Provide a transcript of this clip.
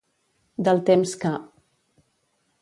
Del temps que.